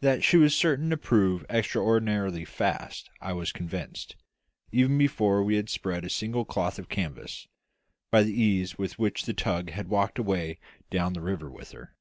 That she was certain to prove extraordinarily fast I was convinced, even before we had spread a single cloth of canvas, by the ease with which the tug had walked away down the river with her.